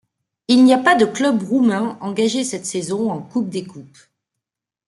Il n'y a pas de club roumain engagé cette saison en Coupe des Coupes.